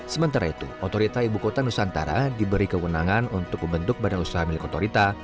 sementara itu otorita ibu kota nusantara diberi kewenangan untuk membentuk badan usaha milik otorita